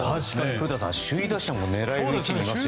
古田さん、首位打者も狙える位置にいますからね。